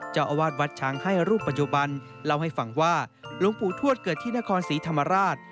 เจ้าอาวาสวัดช้างให้รูปปัจจุบันเล่าให้ฟังว่าหลวงปู่ทวดเกิดที่นครศรีธรรมราช